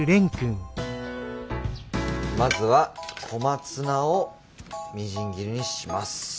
まずは小松菜をみじん切りにします。